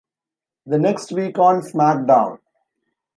The next week on SmackDown!